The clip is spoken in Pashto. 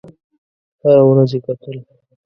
هره ورځ یې کتل.